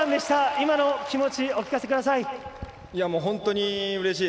今の気持ち、お聞かせください。